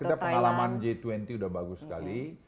sita bagus kita pengalaman j dua puluh udah bagus sekali